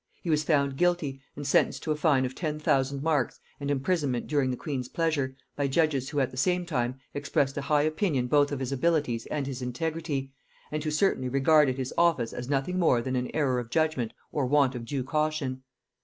He was found guilty, and sentenced to a fine of ten thousand marks and imprisonment during the queen's pleasure, by judges who at the same time expressed a high opinion both of his abilities and his integrity, and who certainly regarded his offence as nothing more than an error of judgement or want of due caution.